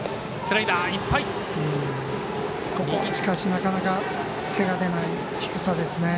なかなか、手が出ない低さですね。